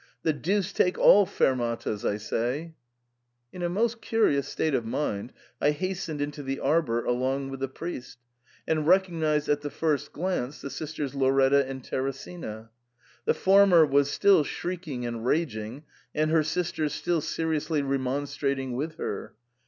The deuce take all fermatas, I say !' In a most curious state of mind I hastened into the ar bour along with the priest, and recognised at the first glance the sisters Lauretta and Teresina. The former was still shrieking and raging, and her sister still seri ously remonstrating with her.